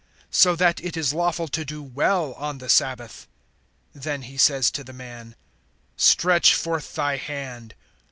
So that it is lawful to do well on the sabbath. (13)Then he says to the man: Stretch forth thy hand.